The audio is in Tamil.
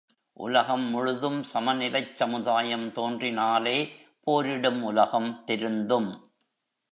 உலகம் முழுதும் சமநிலைச் சமுதாயம் தோன்றினாலே போரிடும் உலகம் திருந்தும்.